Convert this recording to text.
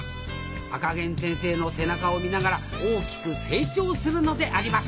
赤ゲン先生の背中を見ながら大きく成長するのであります！